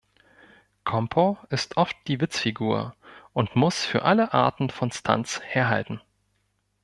Compo ist oft die Witzfigur und muss für alle Arten von Stunts herhalten.